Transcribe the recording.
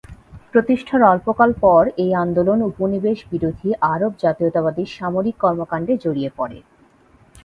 প্রতিষ্ঠার অল্পকাল পর এই আন্দোলন উপনিবেশ বিরোধী আরব জাতীয়তাবাদী সামরিক কর্মকাণ্ডে জড়িয়ে পড়ে।